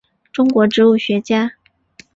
中国植物学家。